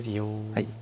はい。